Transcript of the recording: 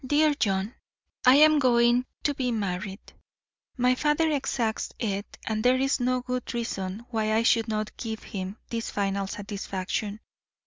DEAR JOHN: I am going to be married. My father exacts it and there is no good reason why I should not give him this final satisfaction.